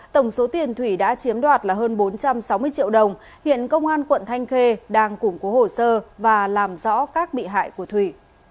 tổng số tiền thủy đã chiếm đoạt là hơn bốn trăm sáu mươi triệu đồng hiện công an quận thanh khê đang củng cố hồ sơ và làm rõ các bị hại của thủy